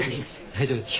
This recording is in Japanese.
大丈夫です。